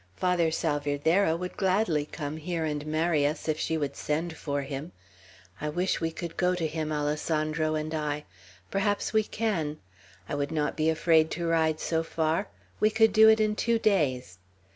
Father Salvierderra would gladly come here and marry us, if she would send for him. I wish we could go to him, Alessandro and I; perhaps we can. I would not be afraid to ride so far; we could do it in two days."